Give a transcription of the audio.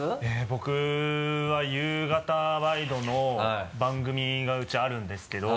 僕は夕方ワイドの番組がウチあるんですけど。